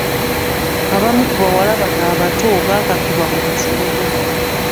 Abamu ku bawala bano abato bakakibwa mu bufumbo.